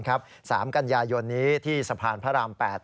๓กันยายนนี้ที่สะพานพระราม๘